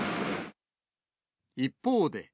一方で。